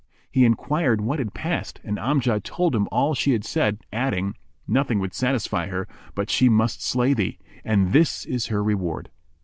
He enquired what had passed, and Amjad told him all she had said, adding, "Nothing would satisfy her but she must slay thee; and this is her reward."